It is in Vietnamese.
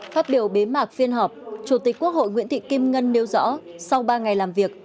phát biểu bế mạc phiên họp chủ tịch quốc hội nguyễn thị kim ngân nêu rõ sau ba ngày làm việc